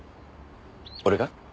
俺が？